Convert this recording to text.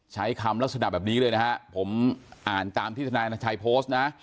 ใช้คำลักษณะแบบนี้เลยนะฮะผมอ่านตามที่ธนายนาชัยโพสต์นะ